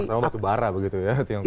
pertama waktu bara begitu ya tiongkok